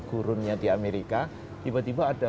gurunnya di amerika tiba tiba ada